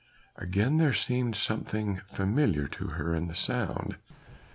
Again there seemed something familiar to her in the sound.